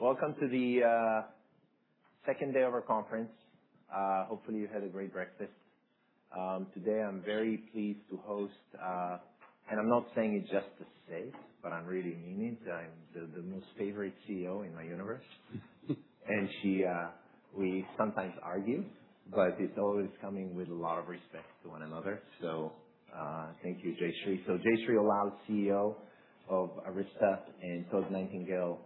Welcome to the second day of our conference. Hopefully, you had a great breakfast. Today, I'm very pleased to host, and I'm not saying it just to say it, but I really mean it, the most favorite CEO in my universe. We sometimes argue, but it's always coming with a lot of respect to one another. Thank you, Jayshree. Jayshree Ullal, CEO of Arista, and Todd Nightingale,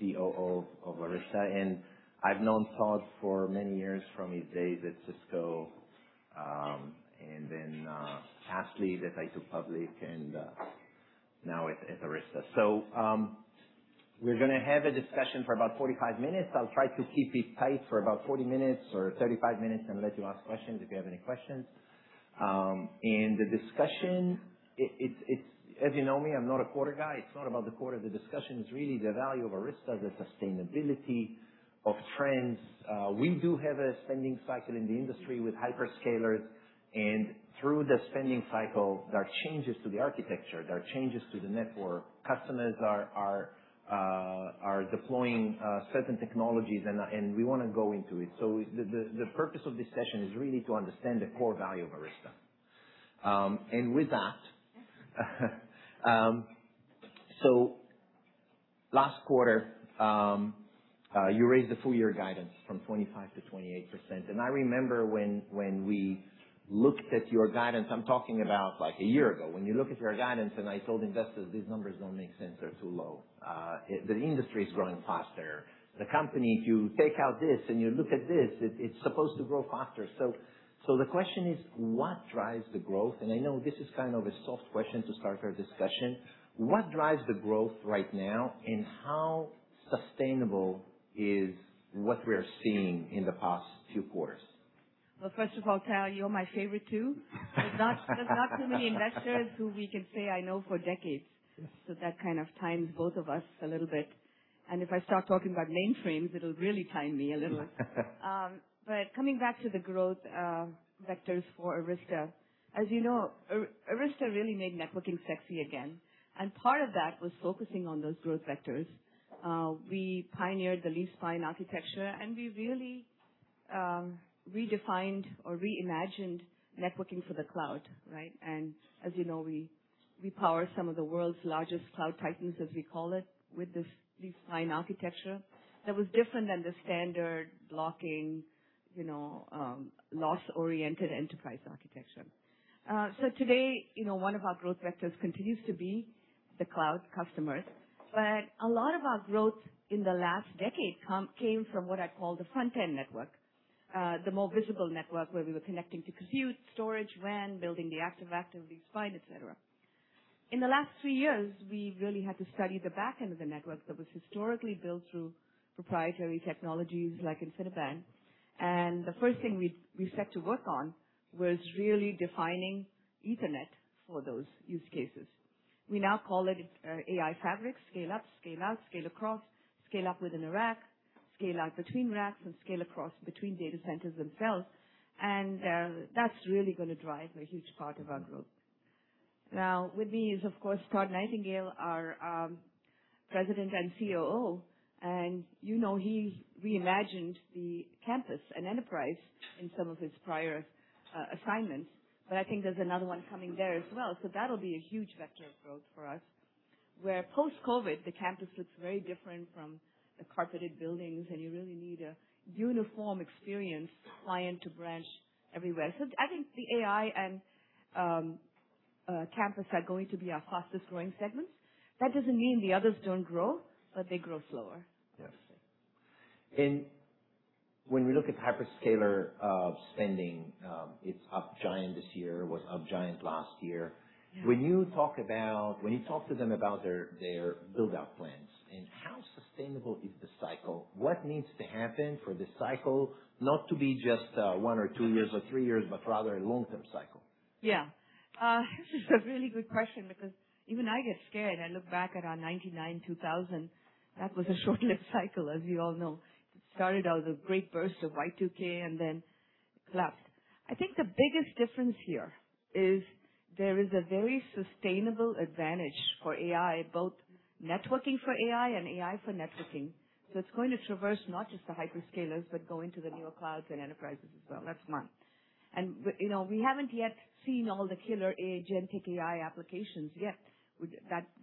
COO of Arista. I've known Todd for many years from his days at Cisco, and then Arista, that I took public, and now at Arista. We're going to have a discussion for about 45 minutes. I'll try to keep it tight for about 40 minutes or 35 minutes, and let you ask questions if you have any questions. The discussion, as you know me, I'm not a quarter guy. It's not about the quarter. The discussion is really the value of Arista, the sustainability of trends. We do have a spending cycle in the industry with hyperscalers, and through the spending cycle, there are changes to the architecture, there are changes to the network. Customers are deploying certain technologies and we want to go into it. The purpose of this session is really to understand the core value of Arista. With that, last quarter, you raised the full year guidance from 25% to 28%. I remember when we looked at your guidance, I'm talking about a year ago, when you look at your guidance, and I told investors, these numbers don't make sense. They're too low. The industry is growing faster. The company, if you take out this and you look at this, it's supposed to grow faster. The question is, what drives the growth? I know this is a soft question to start our discussion. What drives the growth right now, and how sustainable is what we're seeing in the past few quarters? First of all, Tal, you're my favorite too. There's not too many investors who we can say I know for decades. That kind of times both of us a little bit. If I start talking about mainframes, it'll really time me a little. Coming back to the growth vectors for Arista, as you know, Arista really made networking sexy again, and part of that was focusing on those growth vectors. We pioneered the leaf-spine architecture, and we really redefined or reimagined networking for the cloud. Right? As you know, we power some of the world's largest cloud titans, as we call it, with this leaf-spine architecture that was different than the standard blocking, loss-oriented enterprise architecture. Today, one of our growth vectors continues to be the cloud customers. A lot of our growth in the last decade came from what I call the front-end network, the more visible network where we were connecting to compute, storage, WAN, building the active-active leaf-spine, et cetera. In the last three years, we really had to study the back end of the network that was historically built through proprietary technologies like InfiniBand. The first thing we set to work on was really defining Ethernet for those use cases. We now call it AI fabric, scale up, scale out, scale across, scale up within a rack, scale out between racks, and scale across between data centers themselves. That's really going to drive a huge part of our growth. Now, with me is, of course, Todd Nightingale, our President and COO, and you know he reimagined the campus and enterprise in some of his prior assignments. I think there's another one coming there as well. That'll be a huge vector of growth for us, where post-COVID, the campus looks very different from the carpeted buildings, and you really need a uniform experience, client to branch everywhere. I think the AI and campus are going to be our fastest growing segments. That doesn't mean the others don't grow, but they grow slower. Yes. When we look at hyperscaler spending, it's up giant this year, was up giant last year. Yeah. When you talk to them about their build-out plans, and how sustainable is the cycle? What needs to happen for this cycle not to be just one or two years or three years, but rather a long-term cycle? Yeah. It's just a really good question because even I get scared. I look back at our '99/2000. That was a short-lived cycle, as we all know. It started out as a great burst of Y2K and then collapsed. I think the biggest difference here is there is a very sustainable advantage for AI, both networking for AI and AI for networking. It's going to traverse not just the hyperscalers, but go into the newer clouds and enterprises as well. That's one. We haven't yet seen all the killer agentic AI applications yet.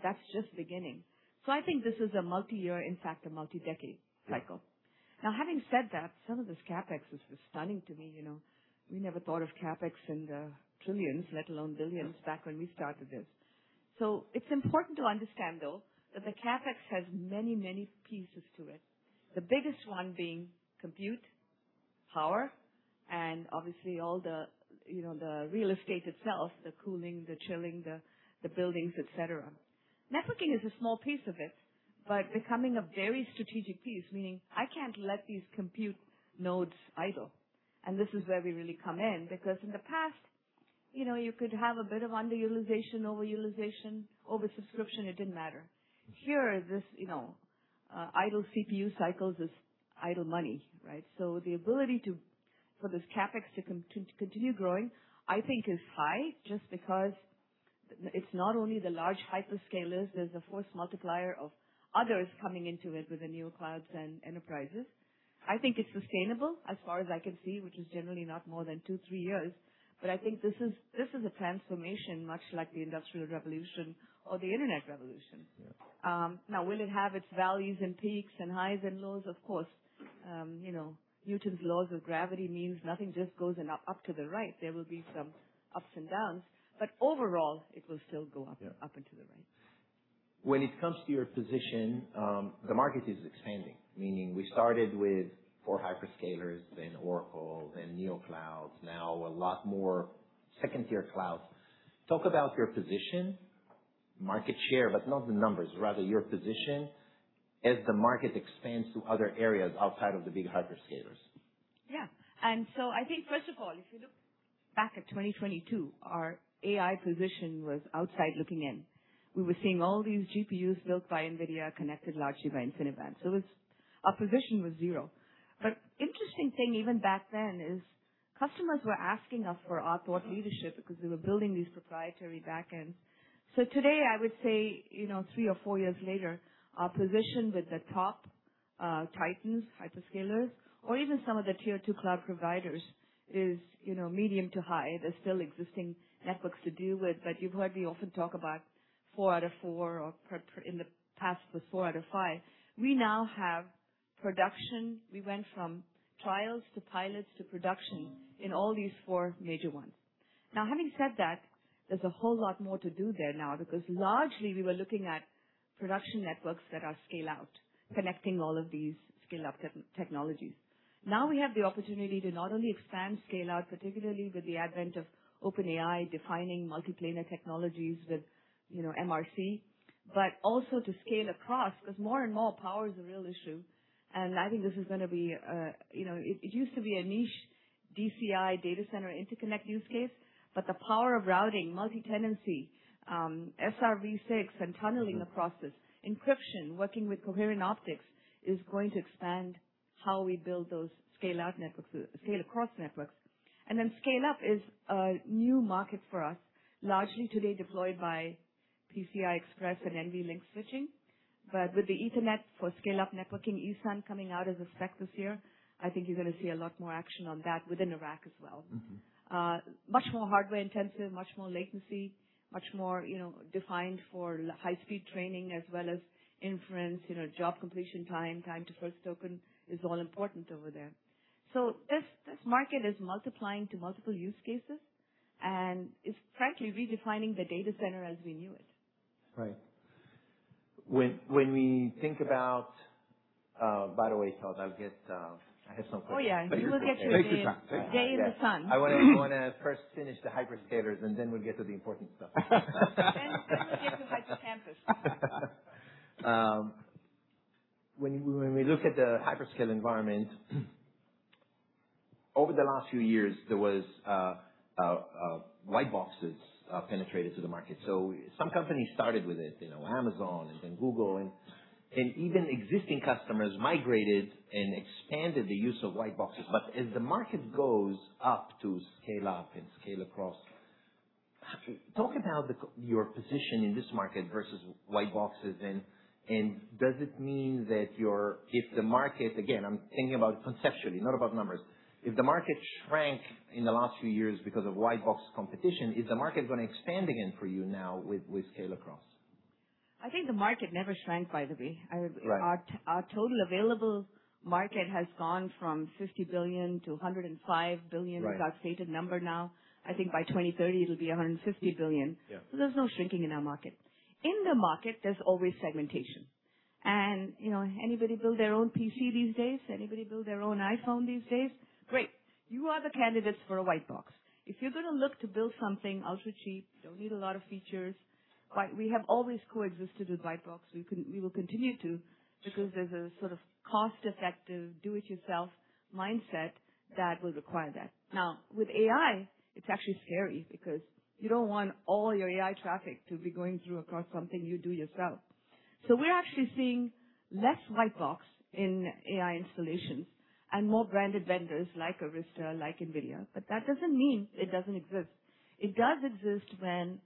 That's just beginning. I think this is a multi-year, in fact, a multi-decade cycle. Now, having said that, some of this CapEx is just stunning to me. We never thought of CapEx in the trillions, let alone billions, back when we started this. It's important to understand, though, that the CapEx has many pieces to it, the biggest one being compute, power, and obviously all the real estate itself, the cooling, the chilling, the buildings, et cetera. Networking is a small piece of it, but becoming a very strategic piece, meaning I can't let these compute nodes idle. This is where we really come in, because in the past, you could have a bit of underutilization, overutilization, oversubscription, it didn't matter. Here, this idle CPU cycles is idle money, right? The ability for this CapEx to continue growing, I think is high just because. It's not only the large hyperscalers, there's a force multiplier of others coming into it with the neo clouds and enterprises. I think it's sustainable as far as I can see, which is generally not more than two, three years. I think this is a transformation, much like the Industrial Revolution or the internet revolution. Yeah. Now, will it have its valleys and peaks and highs and lows? Of course. Newton's laws of gravity means nothing just goes up to the right. There will be some ups and downs, but overall, it will still go up and to the right. When it comes to your position, the market is expanding, meaning we started with four hyperscalers, then Oracle, then neo clouds, now a lot more second-tier clouds. Talk about your position, market share, but not the numbers, rather your position as the market expands to other areas outside of the big hyperscalers. Yeah. I think, first of all, if you look back at 2022, our AI position was outside looking in. We were seeing all these GPUs built by Nvidia connected largely by InfiniBand. Our position was zero. Interesting thing even back then is customers were asking us for our thought leadership because we were building these proprietary backends. Today, I would say, three or four years later, our position with the top titans, hyperscalers, or even some of the tier 2 cloud providers is medium to high. There's still existing networks to deal with. You've heard me often talk about four out of four, or in the past was four out of five. We now have production. We went from trials to pilots to production in all these four major ones. Having said that, there's a whole lot more to do there now, because largely, we were looking at production networks that are scale-out, connecting all of these scale-up technologies. We have the opportunity to not only expand scale-out, particularly with the advent of OpenAI defining multi-planar technologies with MRC, but also to scale across, because more and more power is a real issue. It used to be a niche DCI data center interconnect use case. The power of routing, multi-tenancy, SRv6 and tunneling the process, encryption, working with coherent optics is going to expand how we build those scale-out networks, scale across networks. Scale-up is a new market for us, largely today deployed by PCI Express and NVLink switching. With the Ethernet for Scale-Up Networking, ESUN coming out as a spec this year, I think you're going to see a lot more action on that within a rack as well. Much more hardware intensive, much more latency, much more defined for high-speed training as well as inference, job completion time to first token is all important over there. This market is multiplying to multiple use cases and is frankly redefining the data center as we knew it. Right. By the way, Todd, I have some questions. Oh, yeah. You will get your day in the sun. I want to first finish the hyperscalers, and then we'll get to the important stuff. We'll get to campus. When we look at the hyperscale environment, over the last few years, there was white boxes penetrated to the market. Some companies started with it, Amazon and then Google, and even existing customers migrated and expanded the use of white boxes. As the market goes up to scale up and scale across, talk about your position in this market versus white boxes. Does it mean that, again, I'm thinking about conceptually, not about numbers, if the market shrank in the last few years because of white box competition, is the market going to expand again for you now with scale across? I think the market never shrank, by the way. Right. Our total available market has gone from $50 billion to $105 billion. Right is our stated number now. I think by 2030 it'll be $160 billion. Yeah. There's no shrinking in our market. In the market, there's always segmentation. Anybody build their own PC these days? Anybody build their own iPhone these days? Great. You are the candidates for a white box. If you're going to look to build something ultra-cheap, don't need a lot of features. We have always coexisted with white box. We will continue to, because there's a sort of cost-effective do-it-yourself mindset that will require that. Now, with AI, it's actually scary because you don't want all your AI traffic to be going through across something you do yourself. We're actually seeing less white box in AI installations and more branded vendors like Arista, like Nvidia. That doesn't mean it doesn't exist. It does exist when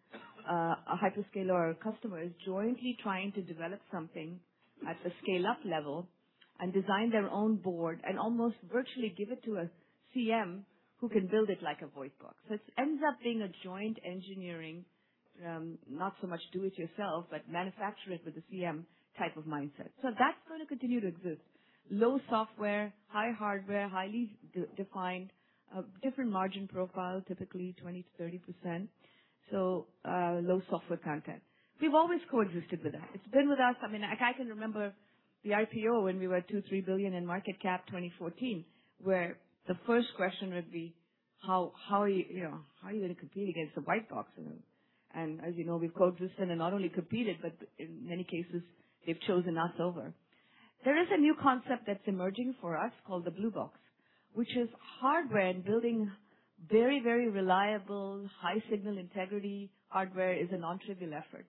a hyperscaler or customer is jointly trying to develop something at the scale-up level and design their own board and almost virtually give it to a CM who can build it like a white box. It ends up being a joint engineering, not so much do it yourself, but manufacture it with a CM type of mindset. That's going to continue to exist. Low software, high hardware, highly defined, different margin profile, typically 20%-30%. Low software content. We've always coexisted with that. It's been with us. I can remember the IPO when we were two, three billion in market cap 2014, where the first question would be, "How are you going to compete against the white box?" As you know, we've coexisted and not only competed, but in many cases they've chosen us over. There is a new concept that's emerging for us called the Blue Box, which is hardware and building very, very reliable, high signal integrity hardware is a nontrivial effort.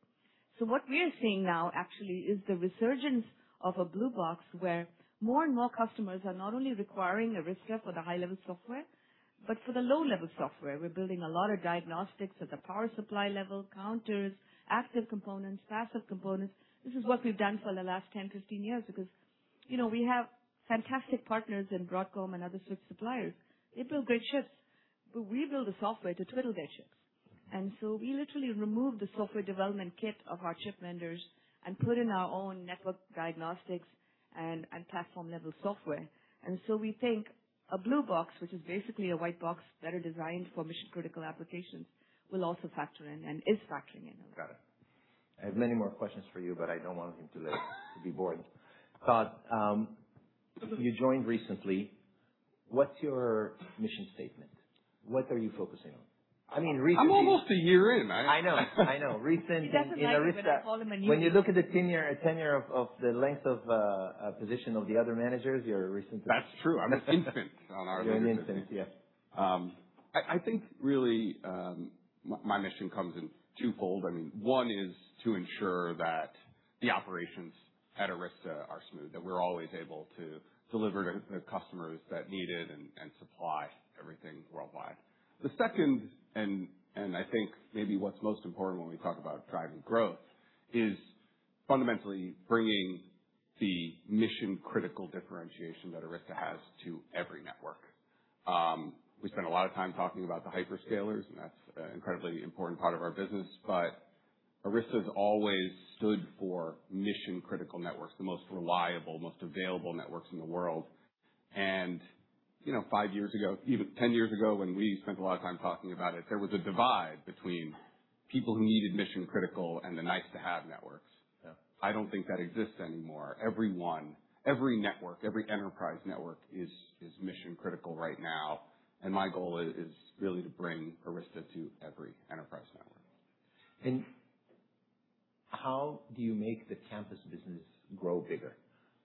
What we are seeing now actually is the resurgence of a Blue Box, where more and more customers are not only requiring Arista for the high-level software, but for the low-level software. We're building a lot of diagnostics at the power supply level, counters, active components, passive components. This is what we've done for the last 10, 15 years because we have fantastic partners in Broadcom and other switch suppliers. They build great chips, but we build the software to twiddle their chips. We literally remove the software development kit of our chip vendors and put in our own network diagnostics and platform-level software. We think a Blue Box, which is basically a white box better designed for mission-critical applications, will also factor in, and is factoring in. Got it. I have many more questions for you, but I don't want him to be bored. Todd, you joined recently. What's your mission statement? What are you focusing on? I mean, recently. I'm almost a year in. I know. Recent in Arista- He doesn't like it that I call him a newbie. When you look at the tenure of the length of position of the other managers, you're a recent addition. That's true. I'm an infant on our team. You're an infant, yes. I think really, my mission comes in twofold. One is to ensure that the operations at Arista are smooth, that we're always able to deliver to customers that need it and supply everything worldwide. The second, and I think maybe what's most important when we talk about driving growth, is fundamentally bringing the mission-critical differentiation that Arista has to every network. We spend a lot of time talking about the hyperscalers, and that's an incredibly important part of our business. Arista's always stood for mission-critical networks, the most reliable, most available networks in the world. And five years ago, even 10 years ago, when we spent a lot of time talking about it, there was a divide between people who needed mission-critical and the nice-to-have networks. Yeah. I don't think that exists anymore. Everyone, every network, every enterprise network is mission-critical right now, and my goal is really to bring Arista to every enterprise network. How do you make the campus business grow bigger?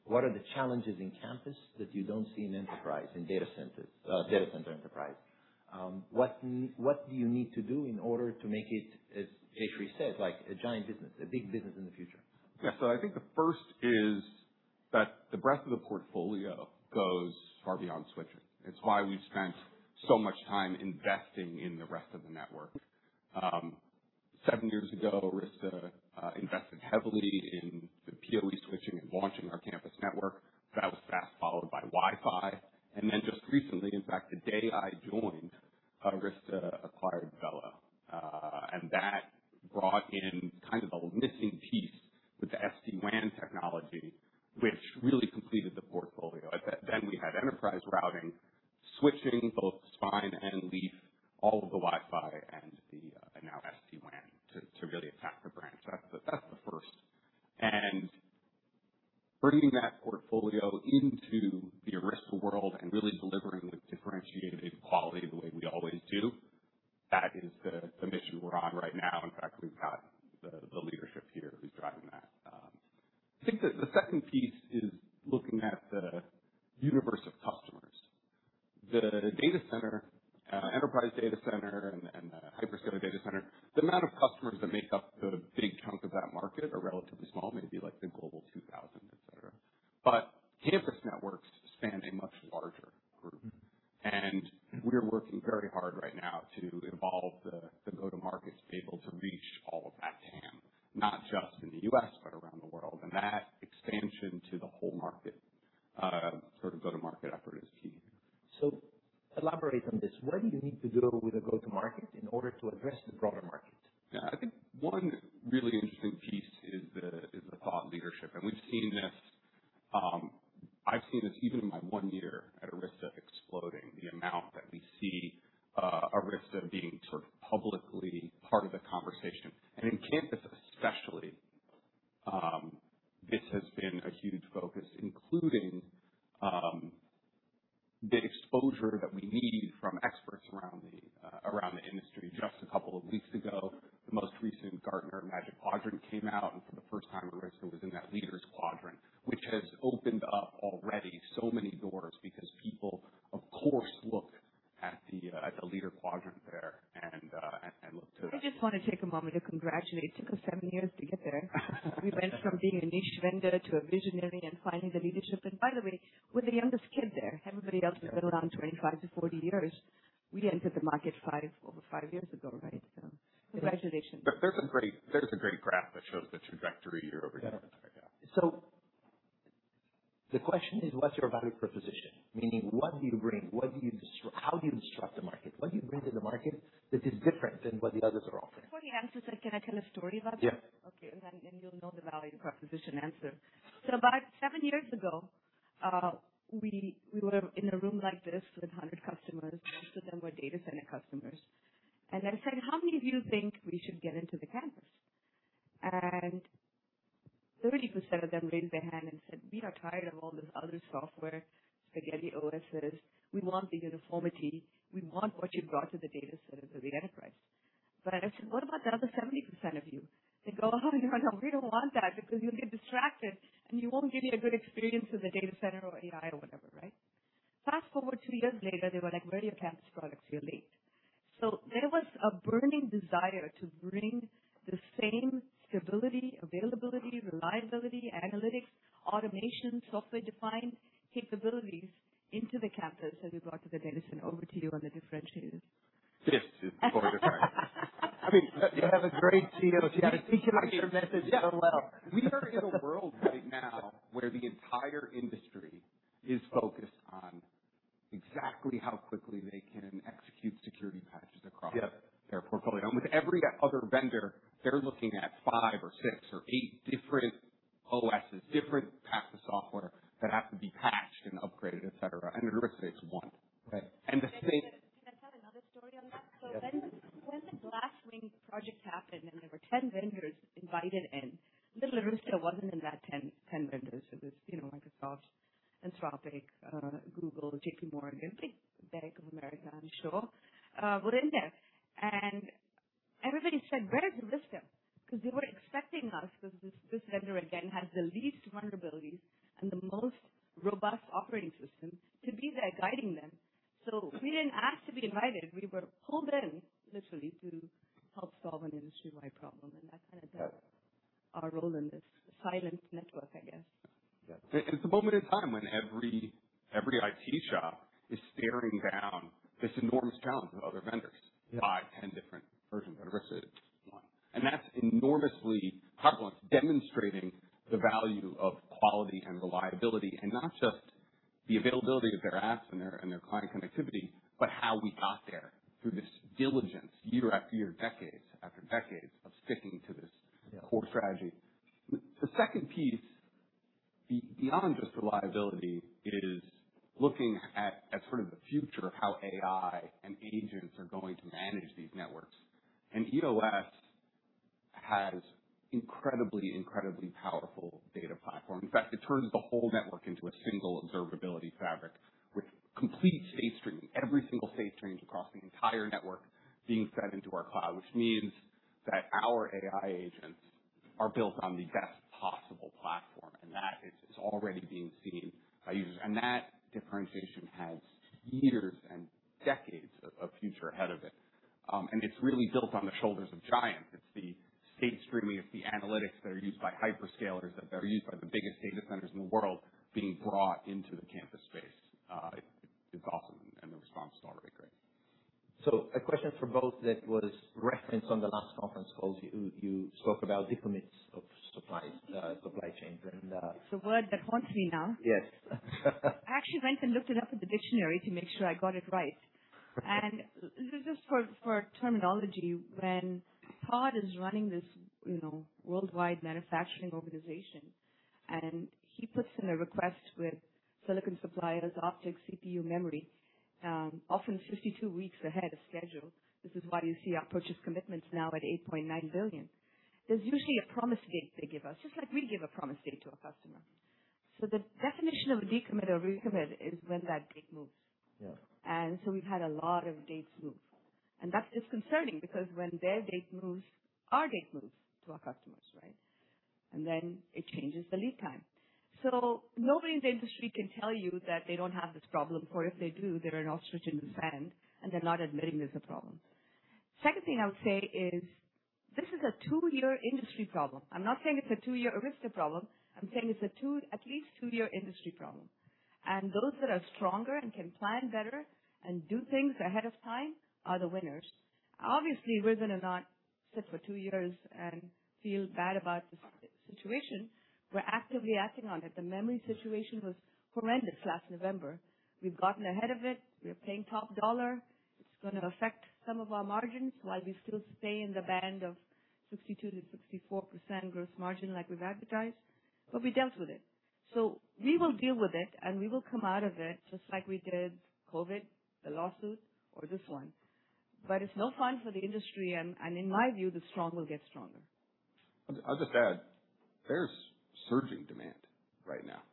What are the challenges in campus that you don't see in enterprise, in data center enterprise? What do you need to do in order to make it, as Jayshree said, a giant business, a big business in the future? Yeah. I think the first is that the breadth of the portfolio goes far beyond switching. It's why we've spent so much time investing in the rest of the network. Seven years ago, Arista invested heavily in the PoE switching and launching our campus network. That was fast followed by Wi-Fi, and then just recently, in fact, the day I joined, Arista acquired VeloCloud. That brought in a missing piece with the SD-WAN technology, which really completed the portfolio. We had enterprise routing, switching, both spine and leaf, all of the Wi-Fi, and now SD-WAN to really attack the branch. That's the first. Bringing that portfolio into the Arista world and really delivering with differentiated quality the software-defined possible platform, and that is already being seen by users. That differentiation has years and decades of future ahead of it. It's really built on the shoulders of giants. It's the state streaming, it's the analytics that are used by hyperscalers, that are used by the biggest data centers in the world being brought into the campus space. It's awesome, and the response is already great. A question for both that was referenced on the last conference call is you spoke about decommits of supply chain. It's a word that haunts me now. Yes. I actually went and looked it up in the dictionary to make sure I got it right. Just for terminology, when Todd is running this worldwide manufacturing organization, he puts in a request with silicon suppliers, optics, CPU, memory, often it's 52 weeks ahead of schedule. This is why you see our purchase commitments now at $8.9 billion. There's usually a promise date they give us, just like we give a promise date to our customer. The definition of a decommit or recommit is when that date moves. Yeah. We've had a lot of dates move, and that's disconcerting because when their date moves, our date moves to our customers, right? It changes the lead time. Nobody in the industry can tell you that they don't have this problem, or if they do, they're an ostrich in the sand, and they're not admitting there's a problem. Second thing I would say is, this is a two-year industry problem. I'm not saying it's a two-year Arista problem. I'm saying it's at least two-year industry problem, and those that are stronger and can plan better and do things ahead of time are the winners. Obviously, we're going to not sit for two years and feel bad about the situation. We're actively acting on it. The memory situation was horrendous last November. We've gotten ahead of it. We're paying top dollar. It's going to affect some of our margins while we still stay in the band of 62%-64% gross margin like we've advertised. We dealt with it. We will deal with it, and we will come out of it just like we did COVID, the lawsuit or this one. It's no fun for the industry, and in my view, the strong will get stronger. I'll just add, there's surging demand right now,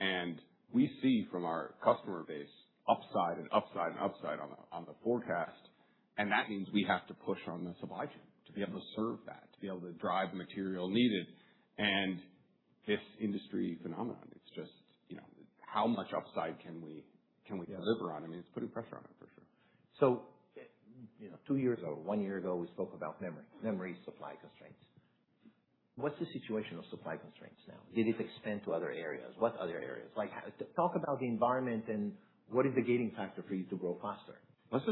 and we see from our customer base upside and upside on the forecast, and that means we have to push on the supply chain to be able to serve that, to be able to drive material needed. This industry phenomenon, it's just how much upside can we deliver on? Yeah. I mean, it's putting pressure on it for sure. Two years ago, one year ago, we spoke about memory supply constraints. What's the situation on supply constraints now? Did it expand to other areas? What other areas? Talk about the environment and what is the gating factor for you to grow faster. Let's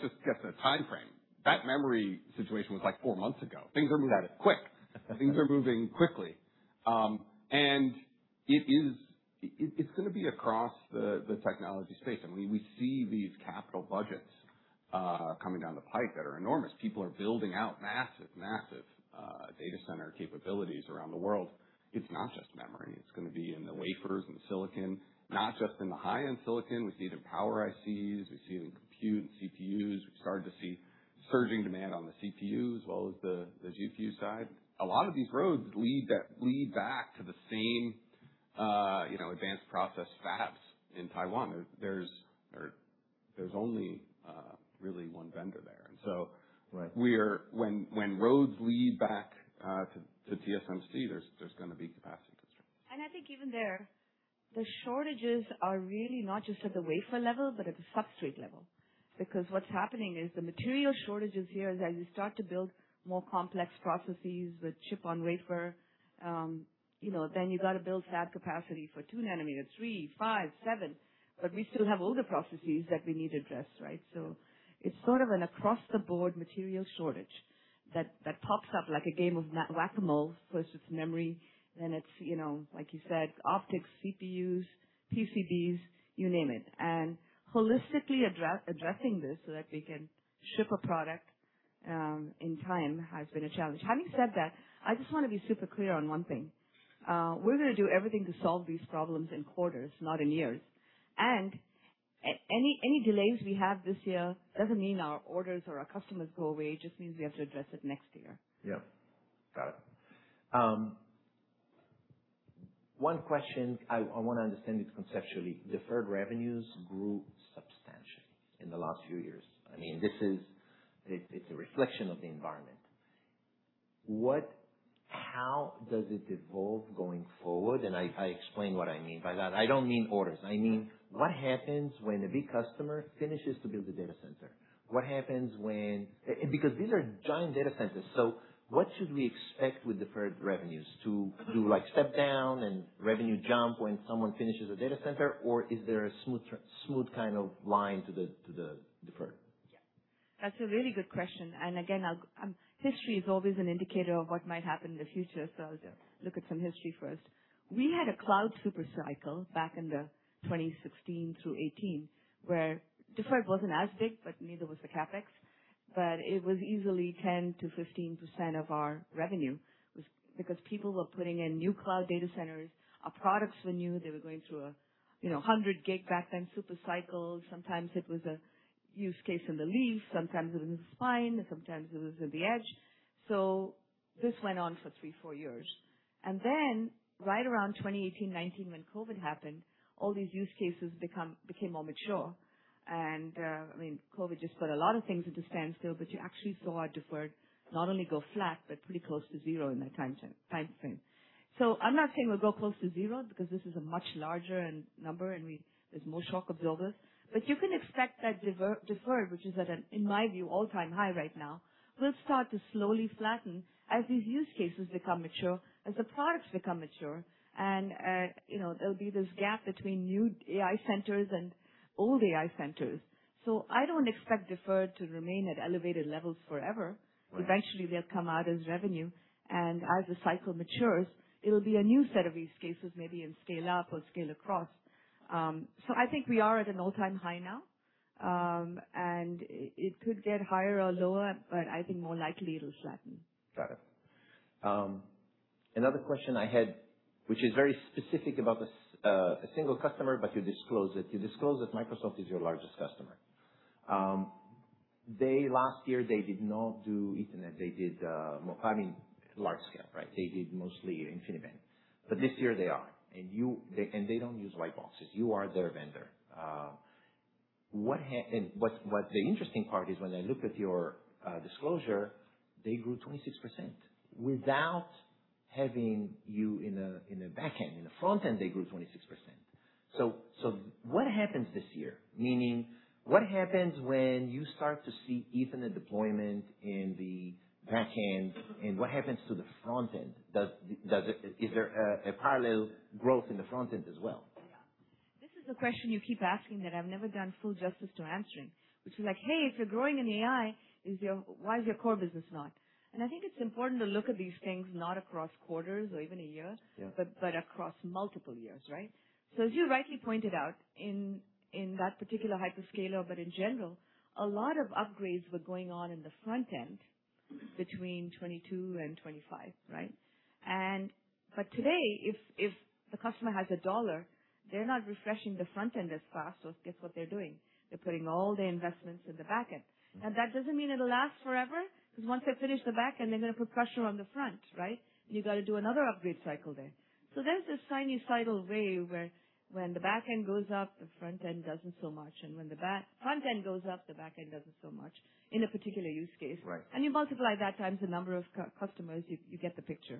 just get the timeframe. That memory situation was like four months ago. Things are moving quick. Things are moving quickly. It's going to be across the technology space. We see these capital budgets coming down the pipe that are enormous. People are building out massive data center capabilities around the world. It's not just memory. It's going to be in the wafers and the silicon, not just in the high-end silicon. We see it in power ICs. We see it in compute and CPUs. We're starting to see surging demand on the CPU as well as the GPU side. A lot of these roads lead back to the same advanced process fabs in Taiwan. There's only really one vendor there. Right. When roads lead back to TSMC, there's going to be capacity constraints. I think even there, the shortages are really not just at the wafer level but at the substrate level. What's happening is the material shortages here, as you start to build more complex processes with chip-on-wafer, then you got to build fab capacity for two nanometers, three, five, seven. We still have older processes that we need addressed, right? It's sort of an across-the-board material shortage that pops up like a game of whack-a-mole. First it's memory, then it's, like you said, optics, CPUs, PCBs, you name it. Holistically addressing this so that we can ship a product in time has been a challenge. Having said that, I just want to be super clear on one thing. We're going to do everything to solve these problems in quarters, not in years. Any delays we have this year doesn't mean our orders or our customers go away. It just means we have to address it next year. Yeah. Got it. One question, I want to understand it conceptually. Deferred revenues grew substantially in the last few years. It's a reflection of the environment. How does it evolve going forward? I explain what I mean by that. I don't mean orders. I mean, what happens when a big customer finishes to build a data center? Because these are giant data centers, what should we expect with deferred revenues? To step down and revenue jump when someone finishes a data center? Is there a smooth kind of line to the deferred? Yeah. That's a really good question. Again, history is always an indicator of what might happen in the future, so I'll just look at some history first. We had a cloud super cycle back in the 2016 through 2018, where deferred wasn't as big, neither was the CapEx. It was easily 10%-15% of our revenue, because people were putting in new cloud data centers. Our products were new. They were going through 100 gig back then, super cycles. Sometimes it was a use case in the leaf, sometimes it was in spine, and sometimes it was in the edge. This went on for three, four years. Then right around 2018-2019, when COVID happened, all these use cases became more mature. COVID just put a lot of things into standstill, but you actually saw our deferred not only go flat but pretty close to zero in that timeframe. I'm not saying we'll go close to zero, because this is a much larger number and there's more shock absorbers. You can expect that deferred, which is at an, in my view, all-time high right now, will start to slowly flatten as these use cases become mature, as the products become mature, and there'll be this gap between new AI centers and old AI centers. I don't expect deferred to remain at elevated levels forever. Right. Eventually, they'll come out as revenue, and as the cycle matures, it'll be a new set of use cases, maybe in scale up or scale across. I think we are at an all-time high now. It could get higher or lower, but I think more likely it'll flatten. Got it. Another question I had, which is very specific about a single customer, but you disclose it. You disclose that Microsoft is your largest customer. Last year they did not do Ethernet. I mean large scale, right? They did mostly InfiniBand. This year they are. They don't use white boxes. You are their vendor. The interesting part is when I look at your disclosure, they grew 26% without having you in the back end. In the front end, they grew 26%. What happens this year? Meaning, what happens when you start to see Ethernet deployment in the back end, and what happens to the front end? Is there a parallel growth in the front end as well? Yeah. This is a question you keep asking that I've never done full justice to answering, which is like, "Hey, if you're growing in AI, why is your core business not?" I think it's important to look at these things not across quarters or even a year. Yeah Across multiple years, right? As you rightly pointed out, in that particular hyperscaler, but in general, a lot of upgrades were going on in the front end between 2022 and 2025, right? Today, if the customer has a dollar, they're not refreshing the front end as fast. Guess what they're doing? They're putting all their investments in the back end. That doesn't mean it'll last forever, because once they finish the back end, they're going to put pressure on the front, right? You got to do another upgrade cycle there. There's this sinusoidal wave where when the back end goes up, the front end doesn't so much, and when the front end goes up, the back end doesn't so much in a particular use case. Right. You multiply that times the number of customers, you get the picture.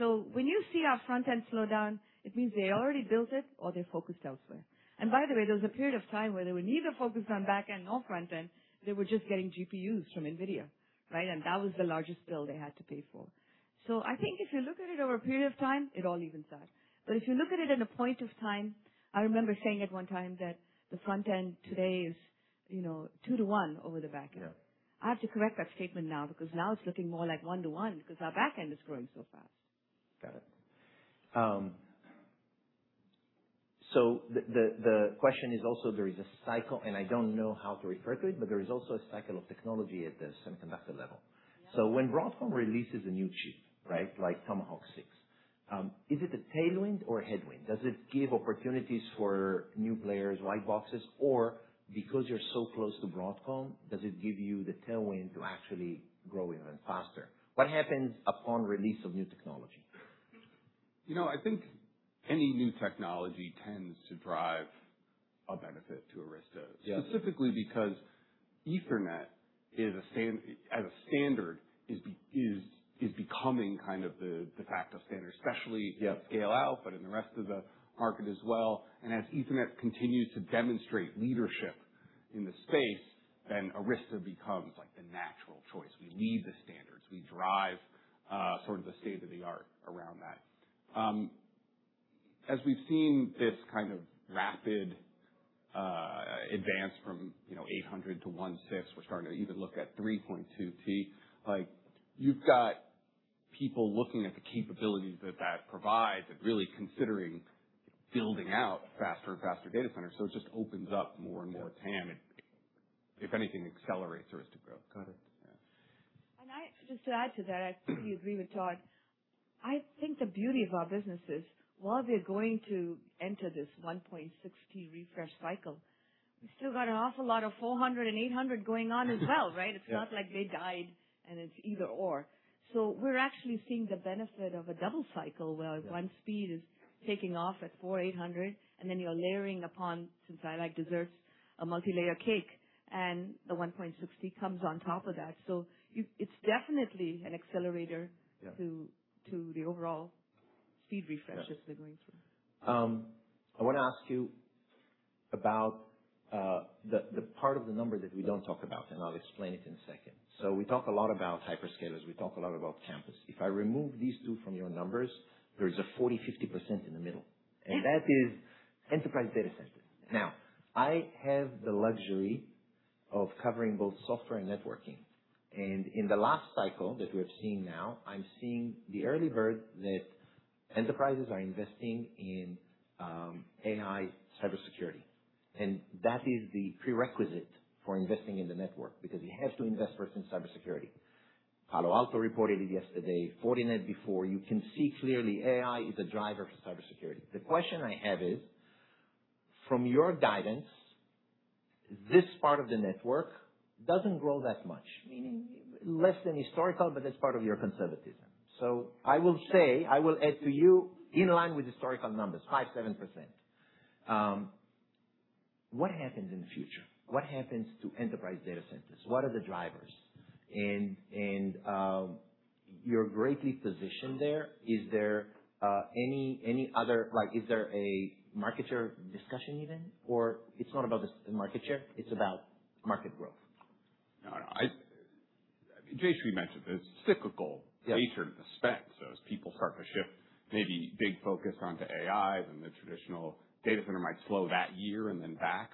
When you see our front end slow down, it means they already built it or they're focused elsewhere. By the way, there was a period of time where they were neither focused on back end nor front end. They were just getting GPUs from Nvidia, right? That was the largest bill they had to pay for. I think if you look at it over a period of time, it all evens out. If you look at it at a point of time, I remember saying at one time that the front end today is two to one over the back end. Yeah. I have to correct that statement now, because now it's looking more like one to one because our back end is growing so fast. Got it. The question is also there is a cycle, and I don't know how to refer to it, but there is also a cycle of technology at the semiconductor level. Yeah. When Broadcom releases a new chip, right, like Tomahawk 6, is it a tailwind or a headwind? Does it give opportunities for new players, white boxes? Because you're so close to Broadcom, does it give you the tailwind to actually grow even faster? What happens upon release of new technology? I think any new technology tends to drive a benefit to Arista. Yeah. Specifically because Ethernet, as a standard, is becoming the de facto standard, especially. Yeah in scale-out, but in the rest of the market as well. As Ethernet continues to demonstrate leadership in the space, Arista becomes the natural choice. We lead the standards. We drive the state-of-the-art around that. As we've seen this kind of rapid advance from 800G to 1.6T, we're starting to even look at 3.2T. You've got people looking at the capabilities that that provides and really considering building out faster and faster data centers. It just opens up more and more TAM and, if anything, accelerates Arista growth. Got it. Yeah. Just to add to that, I completely agree with Todd. I think the beauty of our business is, while we're going to enter this 1.6T refresh cycle, we've still got an awful lot of 400G and 800G going on as well, right? Yeah. It's not like they died and it's either/or. We're actually seeing the benefit of a double cycle where one speed is taking off at 400G/800G, and then you're layering upon, since I like desserts, a multi-layer cake, and the 1.6T comes on top of that. It's definitely an accelerator. Yeah to the overall speed refreshes we're going through. I want to ask you about the part of the number that we don't talk about, and I'll explain it in a second. We talk a lot about hyperscalers. We talk a lot about campus. If I remove these two from your numbers, there's a 40%, 50% in the middle, and that is enterprise data centers. I have the luxury of covering both software and networking. In the last cycle that we're seeing now, I'm seeing the early bird that enterprises are investing in AI cybersecurity. That is the prerequisite for investing in the network, because you have to invest first in cybersecurity. Palo Alto reported it yesterday, Fortinet before. You can see clearly AI is a driver for cybersecurity. The question I have is, from your guidance, this part of the network doesn't grow that much. Less than historical, that's part of your conservatism. I will say, I will add to you, in line with historical numbers, 5%, 7%. What happens in the future? What happens to enterprise data centers? What are the drivers? You're greatly positioned there. Is there a market share discussion even? It's not about the market share, it's about market growth. No, no. Jayshree mentioned this cyclical- Yeah nature of the spec. As people start to shift, maybe big focus onto AI, then the traditional data center might slow that year and then back.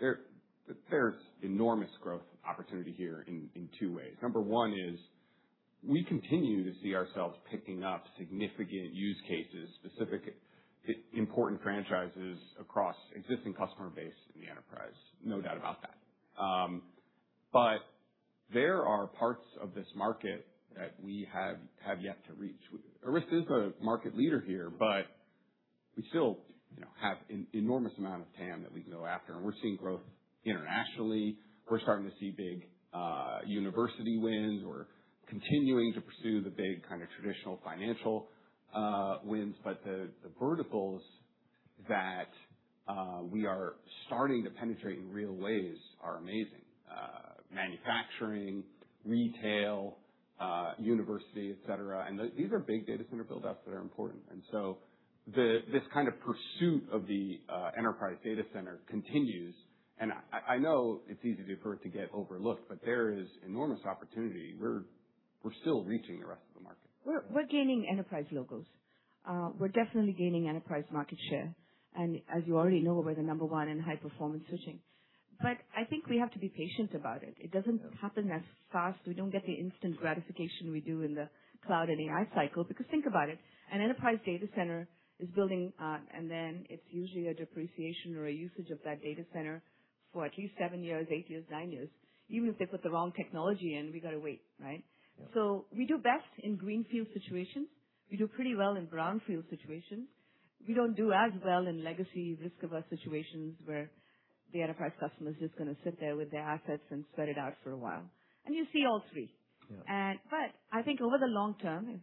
There's enormous growth opportunity here in two ways. Number one is we continue to see ourselves picking up significant use cases, specific important franchises across existing customer base in the enterprise. No doubt about that. There are parts of this market that we have yet to reach. Arista is a market leader here, but we still have an enormous amount of TAM that we can go after, and we're seeing growth internationally. We're starting to see big university wins. We're continuing to pursue the big kind of traditional financial wins. The verticals that we are starting to penetrate in real ways are amazing. Manufacturing, retail, university, et cetera, and these are big data center buildups that are important. This kind of pursuit of the enterprise data center continues, and I know it's easy for it to get overlooked, but there is enormous opportunity. We're still reaching the rest of the market. We're gaining enterprise logos. We're definitely gaining enterprise market share. As you already know, we're the number one in high-performance switching. I think we have to be patient about it. It doesn't happen as fast. We don't get the instant gratification we do in the cloud and AI cycle. Think about it, an enterprise data center is building, and then it's usually a depreciation or a usage of that data center for at least seven years, eight years, nine years. Even if they put the wrong technology in, we got to wait, right? Yeah. We do best in greenfield situations. We do pretty well in brownfield situations. We don't do as well in legacy risk-averse situations where the enterprise customer's just going to sit there with their assets and sweat it out for a while. You see all three. Yeah. I think over the long term,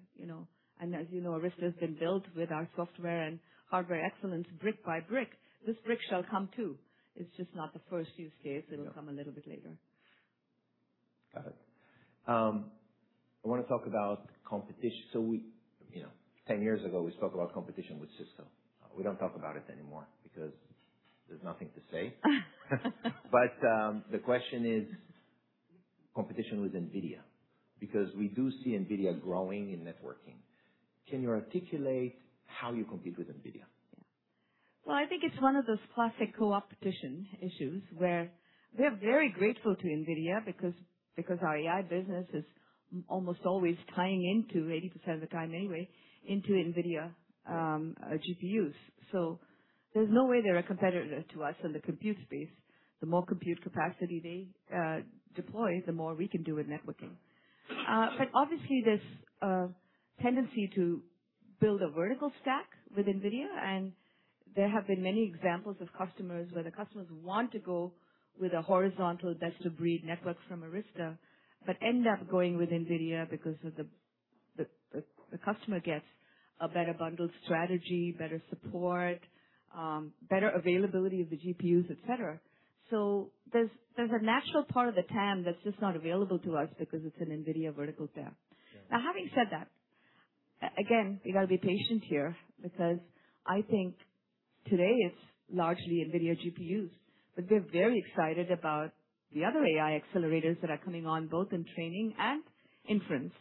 and as you know, Arista has been built with our software and hardware excellence brick by brick. This brick shall come, too. It's just not the first few stairs. Yeah. It'll come a little bit later. Got it. I want to talk about competition. 10 years ago, we spoke about competition with Cisco. We don't talk about it anymore because there's nothing to say. The question is competition with Nvidia, because we do see Nvidia growing in networking. Can you articulate how you compete with Nvidia? Yeah. Well, I think it's one of those classic co-opetition issues where we're very grateful to Nvidia because our AI business is almost always tying in to, 80% of the time anyway, into Nvidia GPUs. There's no way they're a competitor to us in the compute space. The more compute capacity they deploy, the more we can do with networking. Obviously, there's a tendency to build a vertical stack with Nvidia and there have been many examples of customers where the customers want to go with a horizontal best-of-breed network from Arista, but end up going with Nvidia because the customer gets a better bundled strategy, better support, better availability of the GPUs, et cetera. There's a natural part of the TAM that's just not available to us because it's an Nvidia vertical TAM. Yeah. Having said that, again, we got to be patient here because I think today it's largely Nvidia GPUs, but we're very excited about the other AI accelerators that are coming on, both in training and inference.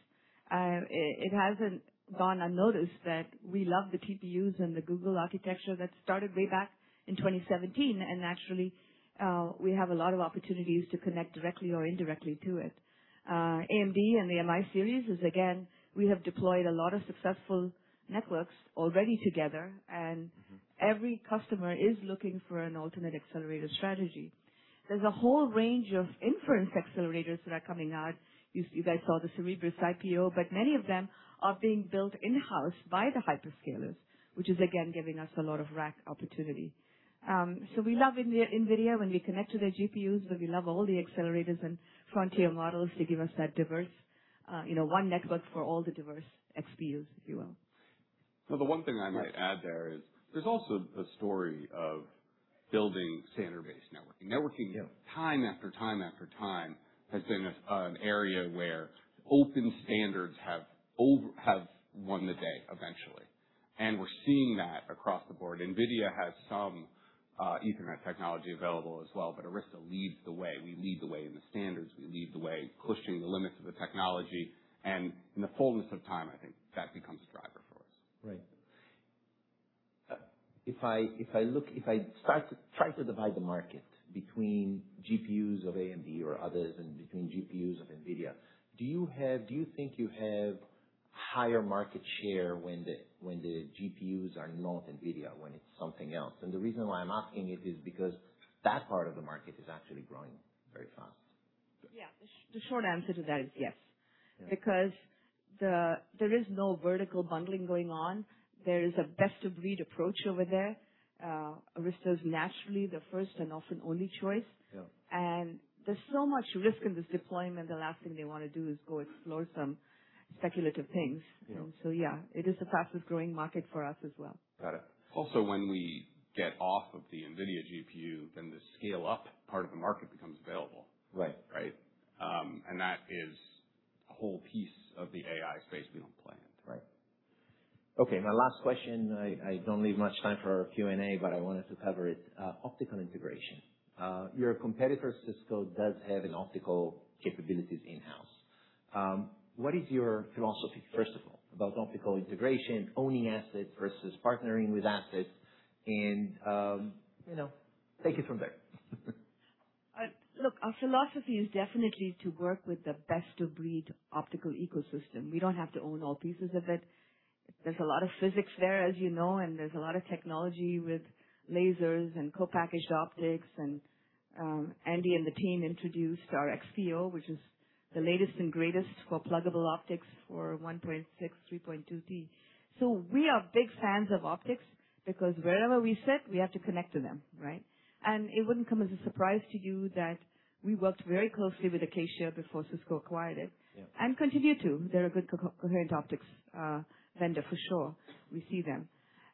It hasn't gone unnoticed that we love the TPUs and the Google architecture that started way back in 2017, and naturally, we have a lot of opportunities to connect directly or indirectly to it. AMD and the MI series is, again, we have deployed a lot of successful networks already together, and every customer is looking for an alternate accelerator strategy. There's a whole range of inference accelerators that are coming out. You guys saw the Cerebras IPO, many of them are being built in-house by the hyperscalers, which is again, giving us a lot of rack opportunity. We love Nvidia when we connect to their GPUs, but we love all the accelerators and frontier models to give us that diverse one network for all the diverse XPUs, if you will. The one thing I might add there is, there's also the story of building standard-based networking. Yeah Time after time after time has been an area where open standards have won the day eventually. We're seeing that across the board. Nvidia has some Ethernet technology available as well, but Arista leads the way. We lead the way in the standards. We lead the way in pushing the limits of the technology. In the fullness of time, I think that becomes a driver for us. Right. If I try to divide the market between GPUs of AMD or others and between GPUs of Nvidia, do you think you have higher market share when the GPUs are not Nvidia, when it's something else? The reason why I'm asking it is because that part of the market is actually growing very fast. Yeah. The short answer to that is yes. Yeah. There is no vertical bundling going on. There is a best-of-breed approach over there. Arista is naturally the first and often only choice. Yeah. There's so much risk in this deployment. The last thing they want to do is go explore some speculative things. Yeah. Yeah, it is the fastest growing market for us as well. Got it. When we get off of the Nvidia GPU, the scale up part of the market becomes available. Right. Right? That is a whole piece of the AI space we don't play in. Right. Okay, my last question. I don't leave much time for Q&A, but I wanted to cover it. Optical integration. Your competitor, Cisco, does have an optical capabilities in-house. What is your philosophy, first of all, about optical integration, owning assets versus partnering with assets, and take it from there. Look, our philosophy is definitely to work with the best-of-breed optical ecosystem. We don't have to own all pieces of it. There's a lot of physics there, as you know, and there's a lot of technology with lasers and co-packaged optics. Andy and the team introduced our LPO, which is the latest and greatest for pluggable optics for 1.6, 3.2T. We are big fans of optics because wherever we sit, we have to connect to them, right? It wouldn't come as a surprise to you that we worked very closely with Acacia before Cisco acquired it. Yeah. Continue to. They're a good coherent optics vendor for sure. We see them.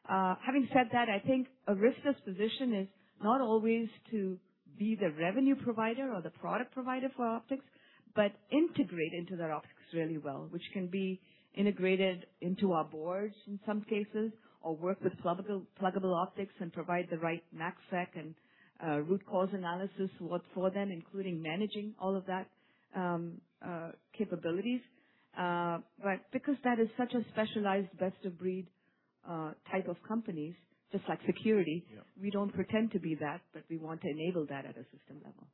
Having said that, I think Arista's position is not always to be the revenue provider or the product provider for optics, but integrate into their optics really well, which can be integrated into our boards in some cases, or work with pluggable optics and provide the right MACsec and root cause analysis work for them, including managing all of that capabilities. Because that is such a specialized best-of-breed type of companies, just like security. Yeah We don't pretend to be that, but we want to enable that at a system level.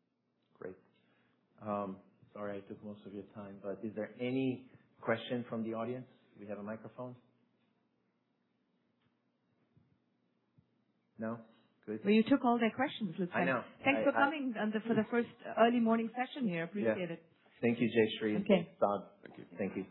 Great. Sorry, I took most of your time, but is there any question from the audience? Do we have a microphone? No. Good. Well, you took all their questions, Tal. I know. Thanks for coming for the first early morning session here. Appreciate it. Yeah. Thank you, Jayshree. Okay. Todd, thank you.